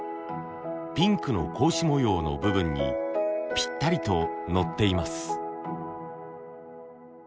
ピンクの格子模様の部分にピッタリとのっています。